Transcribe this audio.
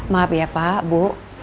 maaf ya pak bu